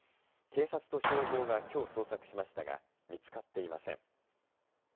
警察と消防がきょうを捜索しましたが見つかっていません。